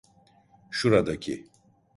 Şuradaki.